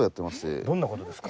どんな事ですか？